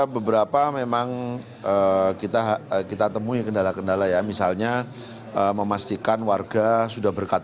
kepala kpu ri arief budiman mengungkapkan jumlah dps di jakarta sabtu siang